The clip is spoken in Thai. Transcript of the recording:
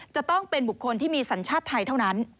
จะต้องเป็นบุคคลที่มีสัญชาติไทยเท่านั้น